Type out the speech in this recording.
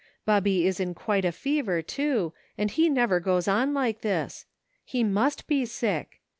Bubby is in quite a fever, too, and he never goes on like this. He must be sick.